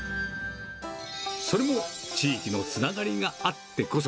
それも地域のつながりがあってこそ。